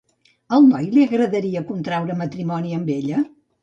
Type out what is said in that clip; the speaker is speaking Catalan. Al noi li agradaria contreure matrimoni amb ella?